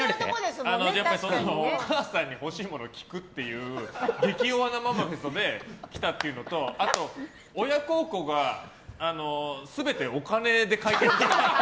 お母さんに欲しいものを聞くっていう激弱なママフェストで来たっていうのとあと親孝行が全てお金で解決してた。